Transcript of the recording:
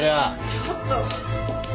ちょっと。